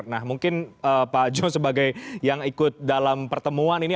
nah mungkin pak jos sebagai yang ikut dalam pertemuan ini